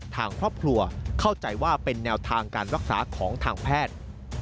ทางครอบครัวเข้าใจว่าเป็นแนวทางการรักษาของทางแพทย์